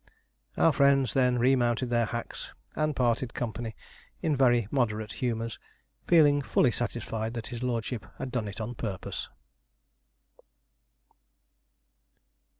Our friends then remounted their hacks and parted company in very moderate humours, feeling fully satisfied that his lordship had done it on purpose.